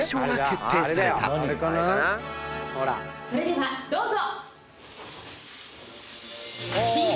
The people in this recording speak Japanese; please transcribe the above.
「それではどうぞ！」